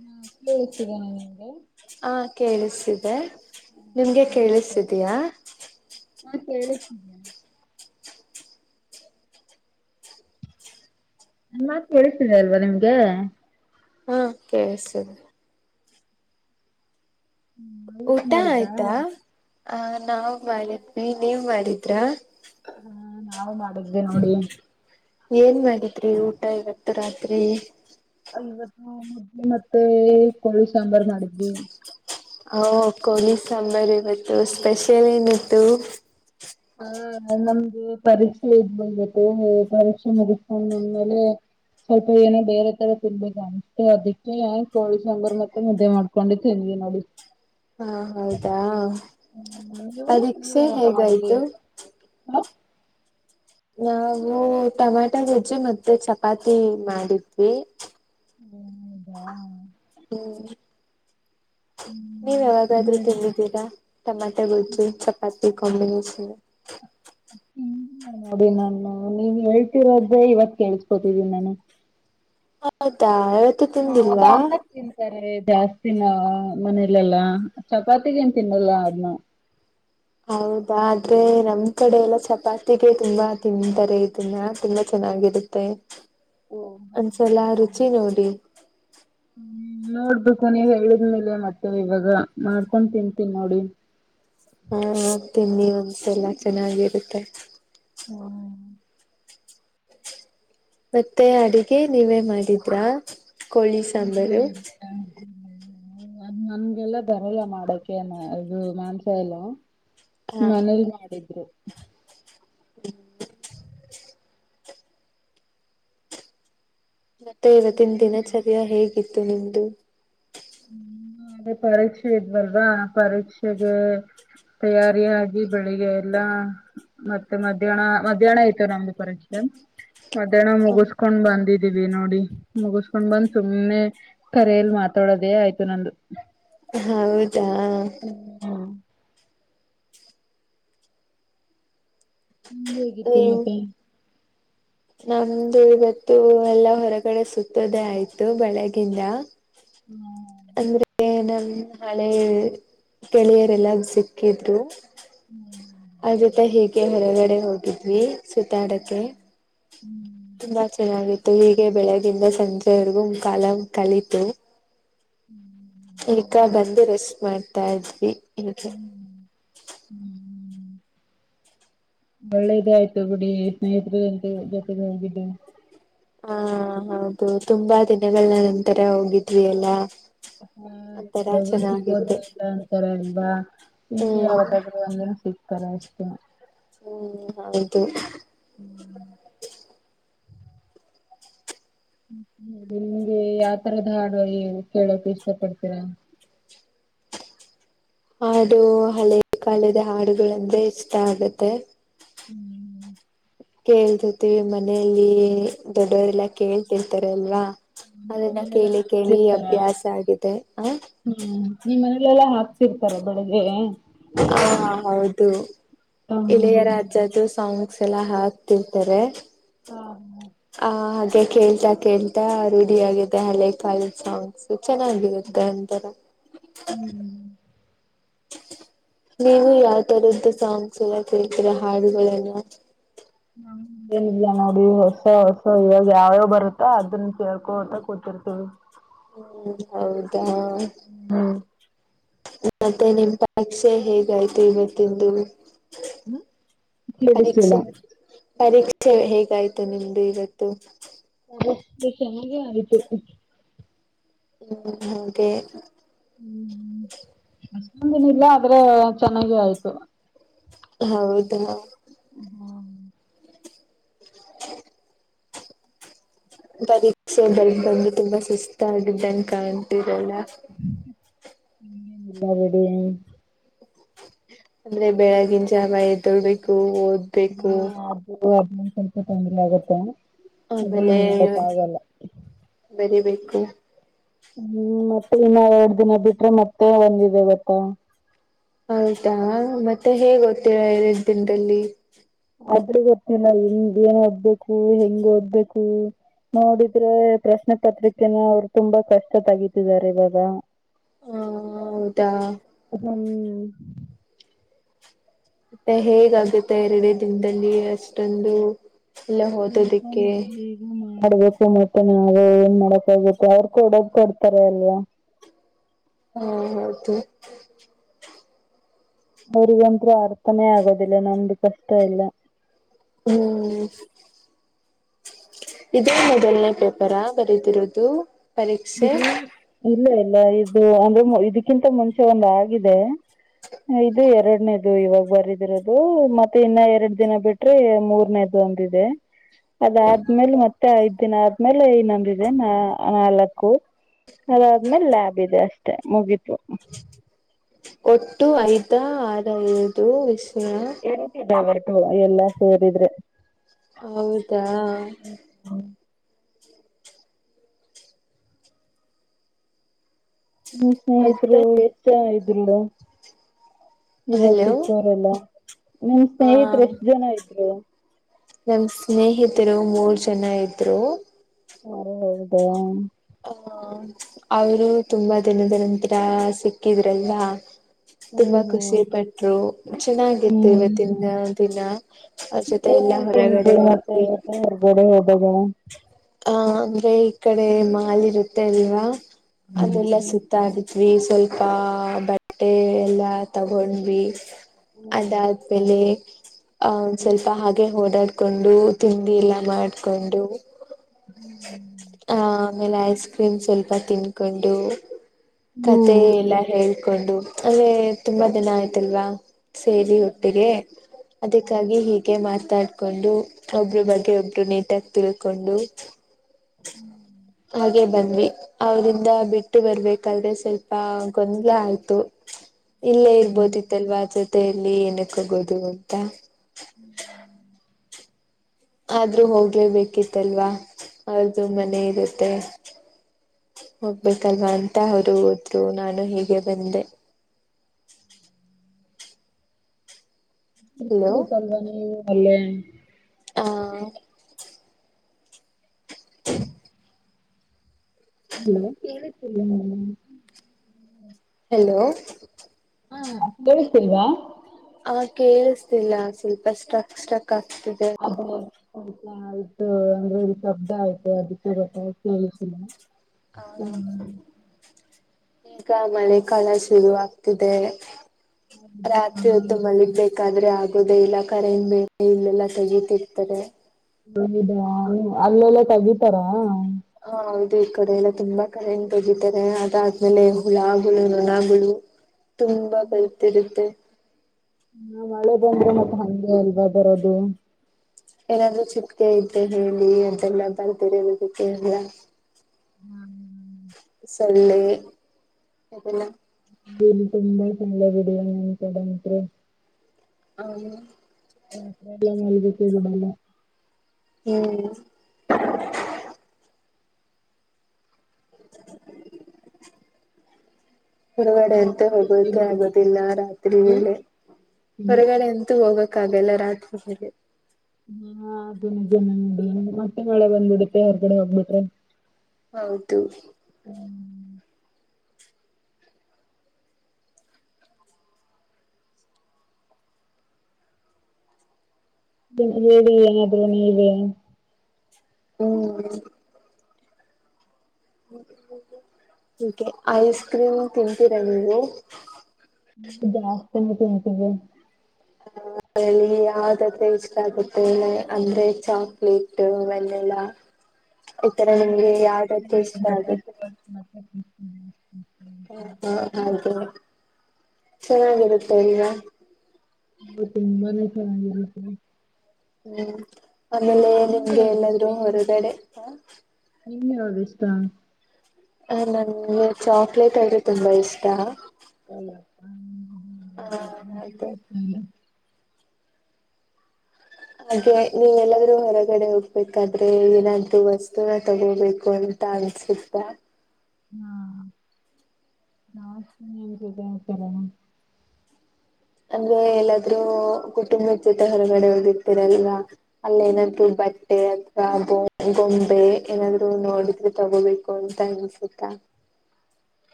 ಹಾ ಕೇಳ್ಸ್ತಿದೇನಾ ನಿಮ್ಗೆ ಕೇಳ್ಸ್ತಿದೆ ನಿಮ್ಗೆ ನಮಸ್ತೆ ಕೇಳಸ್ತಿದೆಯಾ ಹಾ ಕೇಳಸ್ತಿದ್ಯಾ ನನ್ ಮಾತ್ ಕೇಳಸ್ತೀದೆ ಅಲ್ವಾ ನಿಮ್ಗೆ ಹ ಕೇಳಸ್ತೀದೆ ಊಟ ಆಯ್ತಾ ಹ ನಾವ್ ಮಾಡಿದ್ವಿ ನೀವ್ ಮಾಡಿದ್ರ ಹಾ, ನಾವು ಮಾಡದ್ವಿ ನೋಡಿ. ಏನ್ ಮಾಡಿದ್ರಿ ಊಟ ಇವತ್ತು ರಾತ್ರಿ ಇವತ್ತು ಮುದ್ದೆ ಮತ್ತೆ ಕೋಳಿ ಸಾಂಬಾರ್ ಮಾಡಿದ್ವಿ. ಹೌ ಕೊಳಿ ಸಾಂಬರ್ ಈವತ್ ತು ಸ್ಪೆಷಲ್ ಏನಿತ್ತು ಹ ನಮ್ದು ಪರೀಕ್ಷೆ ಇದ್ವು ಇವತ್ತು ಪರೀಕ್ಷೆ ಮುಗಸಕೊಂಡ ಬಂದ ಮೇಲೆ ಸ್ವಲ್ಪ ಏನೋ ಬೇರೆ ತರ ತಿನ್ಬೇಕ ಅನಿಸ್ತು, ಅದೀಕ್ಕೆ ಕೋಳಿ ಸಾಂಬರ್ ಮತ್ತೆ ಮುದ್ದೆ ಮಾಡ್ಕೊಂಡ್ ತಿಂದ್ವಿ ನೋಡಿ ಹಾ ಹೌದಾ.... ನೀವು ಪರೀಕ್ಷೆ ನೀವೇನ್ ಊಟ ಎಗ್ ಮಾಡಿದ್ರಿ ಆಯ್ತು ಹ ನಾವು ಟಮಾಟೊ ಗೊಜ್ಜು ಮತ್ತೆ ಚಪಾತಿ ಮಾಡಿದ್ವಿ. ಹೌದ. ಹ್ಮ್. ಹ್ಮ್ ನೀವ್ ಮತ್ತೆ ಯಾವಾಗಾದ್ರೂ ಹೇಳಿ ತಿಂದ್ದಿದಿರ ಟಮಾಟೊ ಗೊಜ್ಜು ಚಪಾತಿ ಟಿ ಕಮ್ ಇನ್ ಸೇ ಎನಿಲ್ಲ ನೋಡಿ ನಾನು ನೀವು ಹೇಳ್ತಿರೋದೆ, ಇವತ್ ಕೇಳಸ್ಕೊತಿದೀನಿ ನಾನು. ಹೌದಾ. ಇವತ್ತು ಹಾ ಅದ ತಿಂದಿಲ್ವಾ ಅನ್ನಕ್ ತಿಂತಾರೆ. ಜಾಸ್ತಿನ ಮನೇಲೆಲ್ಲಾ, ಚಪಾತಿಗೆನ್ ತಿನ್ನಲ್ಲ ಅದ್ನ್ನ. ಹೌದಾ ಆದ್ರೆ ನಮ್ ಕಡೆ ಎಲ್ಲ ಚಪಾತಿ ಗಟ್ಟಿಗೆ [unintelligible] ತುಂಬಾ ತಿಂತಾರೆ ಇದ್ನ್ನ ತುಂಬಾ ಚೆನ್ನಾಗಿರುತ್ತೆ ಓ ಒಂದ್ಸಲಾರೂ ರುಚಿ ನೋಡಿ ಹ್ಮ ನೋಡ್ಬೇಕು, ನೀವ್ ಹೇಳಿದ್ಮೆಲೆ ಮತ್ತೆ ಇವಾಗ ಮಾಡ್ಕೊಂಡ್ ತಿಂತೀನ್ ನೋಡಿ. ಹಾ ತಿನ್ನಿ ಒಂದ್ಸಲ ಚೆನ್ನಾಗಿರುತ್ತೆ. ಹ್ಮ್ ಮತ್ತೆ ಅಡಿಗೆ ನೀವೇ ಮಾಡಿದ್ರಾ ಕೋಳಿ ಇಲ್ಲ ಸಾಂಬಾರು ಇಲ್ಲ ಅದ್ ನಮ್ಗೆಲ್ಲ ಬರಲ್ಲ ಮಾಡಕೆನ ಅದು ಮಾಂಸ ಎಲ್ಲಾ ಹಾ ಮನೇಲ ಮಾಡಿದ್ರು. [inaudible] ಮತ್ತೆ ಇವತ್ತಿನ್ ದಿನಚರ್ಯ ಹೇಗಿತ್ತು ನಿಮ್ [unintelligible] ಹೂ ಅದೇ ಪರೀಕ್ಷೆ ಇದ್ವಲ್ವಾ, ಆ ಪರೀಕ್ಷೆಗೆ ತಯಾರಿಯಾಗಿ ಬೆಳಿಗ್ಗೆ ಎಲ್ಲಾ ಮತ್ತೆ ಮಧ್ಯಾಹ್ನ, ಮಧ್ಯಾಹ್ನ ಇತ್ತು ನಮ್ದು ಪರೀಕ್ಷೆ ಮಧ್ಯಾಹ್ನ ಮುಗಸ್ಕೊಂಡ್ ಬಂದಿದೀವಿ ನೋಡಿ, ಮುಗಸ್ಕೊಂಡ್ ಬಂದ್ ಸುಮ್ನೆ ಕರೆಯಲ್ಲಿ ಮಾತಾಡೋದ್ ಇದೆ ಆಯ್ತು ನಂದು. ಹೌದ್ [unintelligible] ನಿಂಗ್ ಹೇಗಿತ್ತಮ್ಮ ನೀವು ಪೇನ್? ನಮ್ದು ಇವತ್ತು ಎಲ್ಲಾ ಹೊರಗಡೆ ಸುತ್ತೋದೇ ಆಯ್ತು, ಬೆಳಗಿಂದ. ಅಂದ್ರೆ ಏನ ಹ್ಮ ಹಳೆ ಗೆಳೆಯರೆಲ್ಲ ಸಿಕ್ಕಿದ್ದು [inaudible] ಅವ್ರ್ ಜೊತೆ ಹೀಗೆ ಹೊರಗಡೆ ಹೋಗಿದ್ವಿ. ಸುತ್ತಾಡಕ್ಕೆ. ಹ್ಮ್ ತುಂಬಾ ಚೆನ್ನಾಗಿತ್ತು ಹೀಗೆ ಬೆಳಗ್ಗಿಂದ ಸಂಜೆವರೆಗೂ ಕಾಲಂ ಕಲಿತು. [inaudible] ಈಗ ಬಂದು ರೆಸ್ಟ್ ಮಾಡ್ತಾ ಇದ್ವಿ. [unintelligible] ಹೀಗೆ ಒಳ್ಳೆದೆ ಆಯ್ತು ಬಿಡಿ ಸ್ನೇಹಿತರ ಅಂತೆ ಜೊತೆಗೆ ಹೋಗಿದ್ದು. ಹಾ ಹೌದು ತುಂಬಾ ದಿನಗಳ ನಂತರ ಹೋಗಿದ್ವಿ ಎಲ್ಲಾ ಹಾ ಒಂತರ ಕೆಲೊಬ್ರು ಸಿಗೋದೇ ಚೆನ್ನಾಗಿತ್ತು ಇಲ್ಲ ಅಂತಾರೆ ಅಲ್ವಾ ನಿಮ್ಗೆ ಹ್ಮ್ ಯಾವತ್ತಾದ್ರೂ ಹಂಗ್ ಅನ್ಸಿದ್ ಪರ ಇಷ್ಟ ಹ್ಮ್ ಹೌದು. ನಿಮ್ಗೆ ಯಾವ ತರದ್ ಹಾಡು ಕೇಳೋಕೆ ಇಷ್ಟಪಡ್ತೀರಾ? ಹೌದು ಹಳೆ ಕಾಲದ ಹಾಡುಗಳೆಂದ್ರೆ ಇಷ್ಟ ಆಗತ್ತೆ. ಹ್ಮ್. ಕೇಳ್ತಿತಿ ಮನೆಯಲ್ಲಿ ದೊಡ್ಡೋರೆಲ್ಲ ಕೇಳ್ತಿರ್ತಾರೆ ಅಲ್ವಾ. ನಿಮ್ ಅದನ್ನ ಮನೇಲೆಲ್ಲಾ ಕೇಳಿ ಕೇಳಿ ಹಾಕ್ತಿರ್ತಾರ ಅಭ್ಯಾಸ ಆಗಿದೆ ಹಾ. ಹ್ಮ್ ನಿಮ್ ಮನಲೆಲ್ಲಾ ಹಾಕ್ತಿರ್ತಾರ ಬೆಳಗ್ಗೆಗೆ? ಹಾ! ಹೌದು ಇಳೆಯ ಹ್ಮ್ ರಾಜದು ಸಾಂಗ್. ಸಲ ಹಾಕ್ತಿರ್ತಾರೆ. ಹಾ ಹಾಗೆ ಕೇಳ್ತಾ ಕೇಳ್ತಾ ರೂಢಿ ಆಗಿದೆ ಹಳೆ ಕಾಲದ್ ಸಾಂಗ್ಸು. ಚೆನ್ನಾಗಿರುತ್ತೆ ಒಂತರ. ನೀವು ಯಾವ ತರದ್ದು ಸಾಂಗ್ಸ್ ಎಲ್ಲ ಕೇಳ್ತೀರ ಹಾಡುಗಳೆಲ್ಲ. [unintelligible] ನೋಡು ಹೊಸ ಹೊಸ ಇವಾಗ್ ಯಾವ್ಯಾವ್ ಬರುತ್ತೋ ಅದನ್ನ ಕೇಳ್ಕೊತ ಕೂತಿರ್ತೀವಿ. ಹ್ಮ್ ಹೌದಾ? ಹ್ಮ ಮತ್ತೆ ನಿಮ್ ಪರಿಕ್ಷೆ ಹೇಗಾಯ್ತು ಇವತ್ತಿಂದು. ಹೂ ಕೇಳಿಸಲಿಲ್ಲ. ಪರೀಕ್ಷೆ ಪರೀಕ್ಷೆ ಹೇಗಾಯ್ತು ನಿಮ್ದು ಇವತ್ತು. [unintelligible] ಚೆನ್ನಾಗೇ ಆಯ್ತು. ಹೂ ಹಾಗೆ. ಹೂ ಅಷ್ಟೊಂದಿನಲ್ಲ ಆದ್ರೆ ಚೆನ್ನಾಗೇ ಆಯ್ತು. ಹೌದ [unintelligible] ಪರೀಕ್ಷೆ ಬರದ ಬಂದು ತುಂಬಾ ಸುಸ್ತ ಆಗಿದ್ದ ತನಕ ಅಂತು [unintelligible] ಅಲ್ಲ [unintelligible] ಹ ಎಲ್ಲ ಬಿಡ [unintelligible] ಅಂದ್ರೆ ಬೆಳಗಿನ ಜಾವ ಎದ್ದೇಳಬೇಕು ಬೇಕು ಅದನ್ ಸ್ವಲ್ಪ ತೊಂದ್ರ ಆಗತ್ತೆ [unintelligible] ಆದ್ರೆ ಆಮೇಲೆ ಏನ್ ಮಾಡಕ್ ಆಗಲ್ಲ ಬರಿ ಬೇಕ ಹ ಹೂ ಮತ್ತೆ ಇನ್ನ ಎರಡ್ ದಿನ ಬಿಟ್ರೆ ಮತ್ತೆ ಒಂದಿದೆ ಗೊತ್ತಾ ಹೌದಾ ಮತ್ತೆ ಮತ್ತೆ ಹೇಗೆ ಗೊತ್ತಿರ [unintelligible] ದಿನದಲ್ಲಿ ಆದ್ರೂ ಗೊತ್ತಿಲ್ಲ ಹೆಂಗ್ ಏನ್ ಓದ್ಬೇಕು ಹೆಂಗ್ ಓದ್ಬೇಕು ನೋಡಿದ್ರೆ ಪ್ರಶ್ನೆ ಪತ್ರಿಕೆನ ಅವ್ರು ತುಂಬಾ ಕಷ್ಟ ತಗತಿದ್ದಾರೆ ಇವಾಗ ಹಾ ಹೌದಾ ಹು ಮತ್ತೆ ಹೇಗ ಆಗುತ್ತೆ ಎರಡೇ ದಿನದಲ್ಲಿ ಅಷ್ಟೊಂದು ಇಲ್ಲ ಓದದ್ದಕ್ಕೆ ಮಾಡಡ್ಬೇಕು ಮತ್ತೆ ನಾವು ಏನ್ ಮಾಡಕ್ ಆಗುತ್ತೆ ಅವ್ರ ಕೊಡಕ್ ಕೊಡ್ತಾರೆ ಅಲ್ವಾ ಹಾ ಹೌದು ಅವರಿಗ ಅಂತ್ರು ಅರ್ಥನೇ ಆಗಲ್ಲ ನಮ್ದು ಕಷ್ಟ ಎಲ್ಲಾ ಹೂ ಇದೇ ಮೊದಲನೇ ಪೇಪರಾ ಬರೀತ್ತಿರೋದು ಇದು ಇಲ್ಲ [unintelligible] ಇಲ್ಲಾ ಇದು ಅಂದ್ರೆ ಇದಕ್ಕಿಂತ ಮುಂಚೆ ಒಂದ ಆಗಿದೆ ಇದು ಎರಡನೇದು ಇವಾಗ ಬರಿದಿರೋದು ಮತ್ತೆ ಇನ್ನ ಎರಡ್ ದಿನ ಬಿಟ್ರೆ ಮೂರನೇದು ಅಂದಿದೆ ಅದಾದ್ಮೇಲೆ ಮತ್ತೆ ಐದ್ ದಿನ ಆದ್ಮೇಲೆ ಇನ್ನೊಂದಿದೆ ನಾ ನಾಲ್ಕು ಅದಾದ್ಮೇಲೆ ಲ್ಯಾಬ್ ಇದೆ ಅಷ್ಟೇ ಮುಗಿತು ಒಟ್ಟು ಐದಾ ಆರ ಐದು ಎಷ್ಟ [unintelligible] ಎಳ್ತಿದ್ದ ಅವರ್ [unintelligible] ಹಾ ಎಲ್ಲಾ ಸೇರಿದ್ರೆ ಹೌದಾ ಹ್ಮ್ ಸ್ನೇಹಿತರು. ಮತ್ತೆ [unintelligible] ಇವತ್ ಹಲೋ ಸಿಕ್ಕೋರೆಲ್ಲ. ನಿಮ್ ಹಾ ಸ್ನೇಹಿತರು ಎಷ್ಟ್ ಜನ ಇದ್ರು? ನಮ್ ಸ್ನೇಹಿತರು ಮೂರ್ ಜನ ಇದ್ರು. ಹ ಹೌದಾ. ಅವರೇ ತುಂಬಾ ದಿನದಂತೆ. ಸಿಕ್ಕಿದ್ರಲ್ಲ. ತುಂಬಾ ಖುಷಿ ಪಟ್ರು ಚೆನ್ನಾಗಿತ್ತು ಇವತ್ತಿಂದ. ದಿನ ಅವ್ರ ಜೊತೆ ಎಲ್ಲಾ ಏನೇನ್ ತಿಂತಿ ಹೊರಗಡೆ ಮತ್ತೆ ಹೋದ್ವಿ ಹೊರ್ಗಡೆ ಹೋಗ. ಭಗವನ್ ಹ ಅಂದ್ರೆ ಈ ಕಡೆ ಮಾಲ್ ಇರುತ್ತೆ ಅಲ್ವಾ? ಅದೆಲ್ಲಾ ಸುತ್ತ ಆಗುತ್ತ. ವಿ ಸ್ವಲ್ಪ ಬಟ್ಟೆ ಎಲ್ಲಾ ತಗೊಂಡ್ವಿ. ಅದಾದ ಬೆಲೆ. ಆ ಒಂದ್ ಸ್ವಲ್ಪ ಹಾಗೆ ಓಡಾಡ್ಕೊಂಡು ತಿಂಡಿ ಎಲ್ಲಾ ಮಾಡ್ಕೊಂಡು. ಆ ಹ್ಮ್ ಆಮೇಲೆ ಐಸ್ ಕ್ರೀಮ್ ಸ್ವಲ್ಪ ತಿನ್ಕೊಂಡು. ಕತೆ ಎಲ್ಲಾ ಹೇಳ ಹಕೊಂಡು ಅದೇ ತುಂಬಾ ದಿನ ಆಯ್ತಲ್ವಾ ಸೇರಿ ಒಟ್ಟಿಗೆ. ಅದಕ್ಕಾಗಿ ಹೀಗೆ ಮಾತಾಡ್ ಹಕೊಂಡು ಒಬ್ಬ್ರ ಬಗ್ಗೆ ಒಬ್ರು ನೀಟಾಗಿ ತಿಳ್ಕೊಂಡು. [unintelligible] ಹಾಗೆ ಬಂದ್ವಿ. ಅವ್ರಿಂದ ಬಿಟ್ಟು ಬರಬೇಕಾದರೆ ಸ್ವಲ್ಪ ಗೊಂದಲ ಆಯ್ತು. ಇಲ್ಲೇ ಇರ್ಬೋದಿತ್ತಲ್ವಾ ಜೊತೆ. ಮತ್ತೆಯಲ್ಲಿ ಏನಕ್ಕ ಹೊಗೋದು ಅಂತ್. ಹ್ಮ್ ಹ್ಮ್ ಆದ್ರೂ ಹೋಗ್ಲೇಬೇಕಿತ್ತಲ್ವಾ ಅವ್ರ್ದು ಮನೆ ಇರುತ್ತೆ. ಹೋಗ್ಬೇಕಲ್ವಾ ಅಂತ ಅವರು ಹೋದ್ರು ನಾನು ಹೀಗೆ ಬಂದೆ. ಇತ್ ಹಲೋ ಪ್ರೀತ್ ಅಲ್ವಾ ನೀವು? ಅಲ್ಲೇ. ಹ ಹ್ಮ ಹಲೋ ಕೆಳಸ್ತಿಲ್ಲ ಹಲೋ ಹಾ ಕೇಳಿಸ್ತಿಲ್ವಾ ಆ ಕೇಳಿಸತಿಲ್ಲ ಸ್ವಲ್ಪ ಸ್ಟಕ್ ಸ್ಟಕ್ ಆಗ್ತಿದೆ ಹತಾ ಆಯ್ತು ಅಂದ್ರೆ ಶಬ್ದ ಆಯ್ತು ಅದಕ್ಕೆ ಗೊತ್ತ ಕೇಳಿಸಿಲ್ಲ [unintelligible] ಹೌದು ಈಗ ಮಳೆಗಾಲ ಶುರ್ವಗತಿದೆ ರಾತ್ರಿ ಹೊತ್ತು ಮಲ್ಲಿಗ್ಬೇಕಾದ್ರೆ ಆ ಆಗೋದೆ ಇಲ್ಲ ಕರೆಂಟ್ ಬೇ ಇಲ್ಲೆಲ್ಲಾ ತೆಗಿತಿರ್ತದೆ ಹದಾ ಅಲ್ಲೆಲ್ಲ ತಗಿತಾರ. ಹ ಹೌದು ಈ ಕಡೆ ಎಲ್ಲ ತುಂಬಾ ಕರೆಂಟ್ ತಗಿತಾರೆ ಅದಾದ್ಮೇಲೆ ಹುಳಾಗಗಳು ನುಣಗಳು. ನ ಮಳೆ ಬಂದೆ ಮತ್ತ ಹೆ ಅಲ್ವಾ. ಬರೋದು ಏನಾದ್ರೂ ಚಿತ್ಗೆ ಇದ್ದೆ ಹೇಳಿ ಅದೆಲ್ಲ ಬರ್ದರನದಕ್ಕೆ ಎಲ್ಲ ಹ್ಮ್ ಸೊಳ್ಳೆ ಇ ತುಂಬಾ ಚಂದ ಬಿಡಿಯ ನೆನ್ಸಡಂತ್ರು ಹ ಹ ಎಲ್ಲ ಮಾಡದಕ್ಕೆ ಬಿಡಲ್ಲ ಹ್ಮ್ ಹೊರಗಡೆ ಎಂತ ಹೋಗೋಕ ಆಗೋುದಿಲ್ಲ ರಾತ್ರಿ ವೇಳೆ ಹೊರಗಡೆ ಎಂತ ಹೋಗೋಕ ಕ್ಕಾಗಲ್ಲ ರಾತ್ರಿಗೆ ಹಾ ಅದ ನಿಜನಡ ಮತ್ತೆ ಮಳೆ ಬಂದ್ಬಿಡತ್ತೆ ಯರ್ಗಡೆ ಹೋಗ್ಬಿಟ್ರೆ ಹೌದು ಹೇಳಿ ಏನಾದ್ರು ನೀವೇ ಹ್ಮ ಐಸ್ ಕ್ರೀಮ್ ತಿಂತೀರಾ ನೀವು [unintelligible] ಹತ ಮತ ಸ [unintelligible] ಅರಲ್ಲಿ ಯಾವ್ದಾದೆ ಇಷ್ಟ ಆಗುತ್ತೆಲ್ಲ ಅಂದ್ರೆ ಚಾಕ್ಲೇಟ್ ವೆನೆಲ್ಲಾ [inaudible] ಹಾ ಹಾ ಹೌದು ಚೆನ್ನಾಗಿರುತ್ತೆ ಈಗ ಮತ್ತಂಬನೆ ಚೆನ್ನಾಗಿರುತ್ತ ಹ್ಮ್ ಆಮೇಲೆ ನಿಮ್ಗೆ ಎಲ್ಲಾದ್ರೂ ಹೊರಗಡೆ ಹ ನಿಮ್ಮ್ ಯಾವು ಇಷ್ಟ ಹ ನನ್ಗೆ ಚಾಕ್ಲೇಟ್ ಅಂದ್ರೆ ತುಂಬಾ ಇಷ್ಟ ಚಲ [unintelligible] ಹ ಒಂಚೂರು ಅದೇ ಇಷ್ಟ ಇಲ್ಲ ಮತ್ತೆ ನೀವೇನಾದ್ರೂ ಹೊರಗಡೆ ಹೋಗ್ಬೇಕಾದ್ರೆ ಏನಾದ್ರೂ ಬೇಕಾದರೆ ವಸ್ತುನ ತಗೋಬೇಕು ಅಂತ ಅನ್ಸುತ್ತಾ ಹಾ ಯಾವ್ತರಾನ ಅಂದ್ರೆ ಎಲ್ಲಾದ್ರೂ ಕುಟುಂಬದ ಜೊತೆ ಹೊರಗಡೆ ಹೋಗಿರ್ತೀರಲ್ವಾ ಅಲ್ಲಿ ಏನಾದ್ರು ಬಟ್ಟೆ ಬ್ಯಾಗು ಗೊಂಬೆ ಏನಾದ್ರು ನೋಡಿದ್ರೆ ತಗೋಬೇಕು ಅಂತ ಅನ್ಸುತ್ತ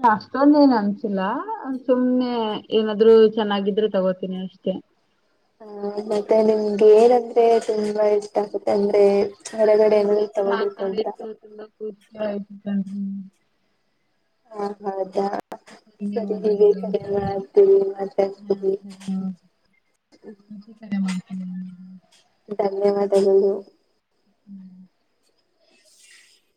ಹಾ ಅಷ್ಟೊಂದ್ ಏನ್ ಅನ್ಸಿಲ್ಲ ಸುಮ್ನೆ ಏನಾದ್ರು ಚೆನ್ನಾಗಿದ್ರೆ ತಗೋತೀನಿ ಅಷ್ಟೆ ಹಾ ಮತ್ತೆ ನಿಮ್ಗೆ ಏನಂದ್ರೆ ತುಂಬಾ ಇಷ್ಟ ಆಗುತ್ತೆ ಅಂದ್ರೆ ಹೊರಗಡೆ ನಿಮ್ ಏನಾದ್ರು ಜೊತೆ ತಗೋಬೇಕು ಮಾತಾಡಿ ಅಂತ ತುಂಬಾ ಖುಷಿ ಆಯಿತು ಅ ಹೌದಾ. ಸರಿ ಹೀಗೆ ಧನ್ಯವಾದಗಳು ಕರೆ ಮಾಡ್ತೀವಿ ಮಾತಾಡ್ತೀವಿ ಧನ್ಯವಾದ ಮತ್ತೆ ಕರೆ ಮಾಡ್ತೀನಿ ನಿಮಗೂ ಹು